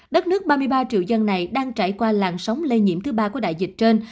đất nước ba mươi ba triệu dân này đang trải qua làn sóng lây nhiễm thứ ba của đại dịch trên